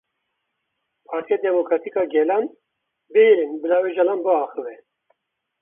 Partiya Demokratîk a Gelan; bihêlin bila Ocalan biaxive.